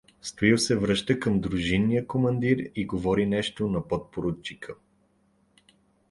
Стоил се връща откъм дружинния командир и говори нещо на подпоручика.